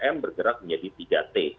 m bergerak menjadi tiga t